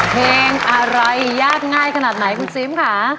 เพลงอะไรยากง่ายขนาดไหนคุณซิมค่ะ